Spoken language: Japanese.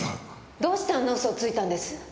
どうしてあんな嘘をついたんです？